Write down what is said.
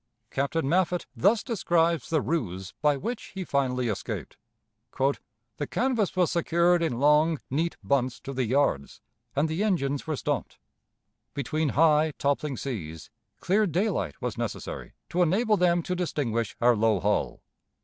Captain Maffitt thus describes the ruse by which he finally escaped: "The canvas was secured in long, neat bunts to the yards, and the engines were stopped. Between high, toppling seas, clear daylight was necessary to enable them to distinguish our low hull.